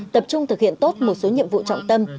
tập trung thực hiện tốt một số nhiệm vụ trọng tâm